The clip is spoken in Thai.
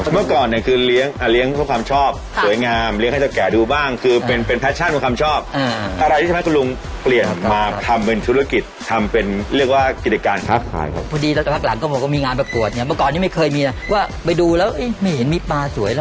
เมื่อก่อนเนี่ยคือเลี้ยงเพราะความชอบสวยงามเลี้ยงให้เถ้าแก่ดูบ้าง